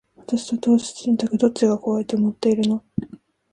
私と投資信託、どっちが怖いと思ってるの？